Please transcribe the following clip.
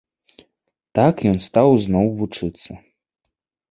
Так ён стаў зноў вучыцца.